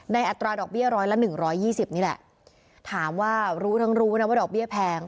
อัตราดอกเบี้ยร้อยละหนึ่งร้อยยี่สิบนี่แหละถามว่ารู้ทั้งรู้นะว่าดอกเบี้ยแพง